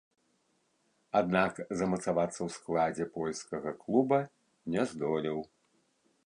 Аднак замацавацца ў складзе польскага клуба не здолеў.